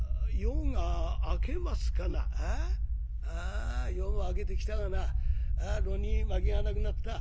ああ夜も明けてきたがな炉に薪がなくなった」。